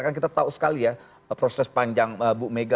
kan kita tahu sekali ya proses panjang bu mega